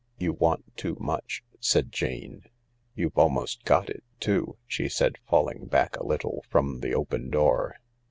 You want too much," said Jane. " You've almost got it too/' she said, falling back a little from the open door.